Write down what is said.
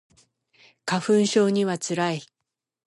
花粉症には辛い